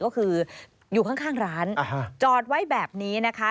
ก็คืออยู่ข้างร้านจอดไว้แบบนี้นะคะ